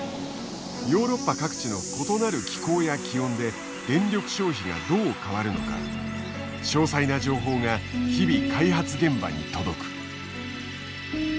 ヨーロッパ各地の異なる気候や気温で電力消費がどう変わるのか詳細な情報が日々開発現場に届く。